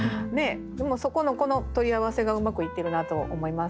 でもそこのこの取り合わせがうまくいってるなと思います。